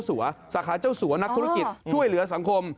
สาขาเจ้าสัวนักธุรกิจช่วยเหลือสังคม